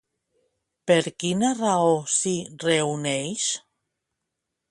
Per quina raó s'hi reuneix?